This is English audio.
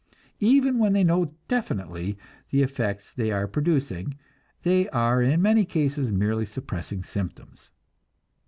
Even when they know definitely the effects they are producing, they are in many cases merely suppressing symptoms.